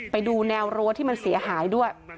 ไปดูแนวรั้วที่มันเสียหายด้วย